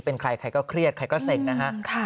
เป็นใครใครก็เครียดใครก็เซ็งนะฮะ